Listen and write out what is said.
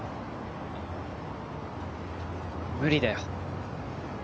無理だよ。